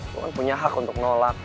lu kan punya hak untuk nolak